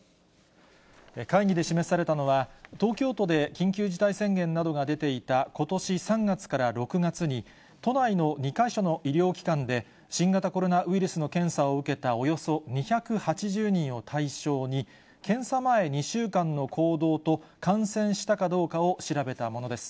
会議で示されたのは、東京都で緊急事態宣言などが出ていたことし３月から６月に、都内の２か所の医療機関で、新型コロナウイルスの検査を受けたおよそ２８０人を対象に、検査前２週間の行動と、感染したかどうかを調べたものです。